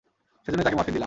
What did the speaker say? সেজন্যই তাকে মরফিন দিলাম।